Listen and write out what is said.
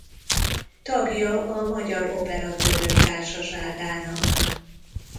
Tagja a Magyar Operatőrök Társaságának.